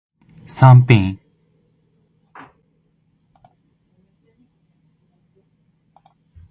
サンピン